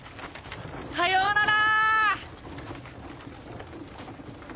さようなら。